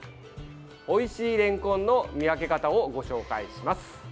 おいしいれんこんの見分け方をご紹介します。